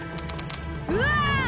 うわ！